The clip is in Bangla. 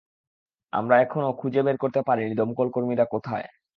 আমরা এখনো খুঁজে বের করতে পারিনি দমকল কর্মীরা কোথায়।